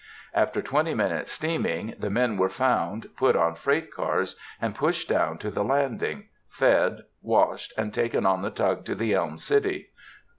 After twenty minutes' steaming, the men were found, put on freight cars, and pushed down to the landing, fed, washed, and taken on the tug to the Elm City. Dr.